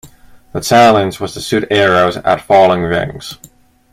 The challenge was to shoot arrows at falling rings.